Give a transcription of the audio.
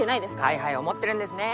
はいはい思ってるんですね